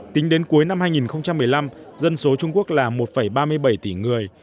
tính đến cuối năm hai nghìn một mươi năm dân số trung quốc là một ba mươi bảy tỷ người